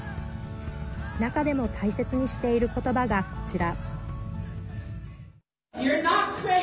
中でも大切にしている言葉がこちら。